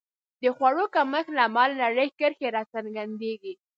د خوړو کمښت له امله نرۍ کرښې راڅرګندېږي.